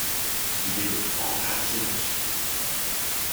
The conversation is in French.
Il est le plus grand gratte-ciel de Suisse.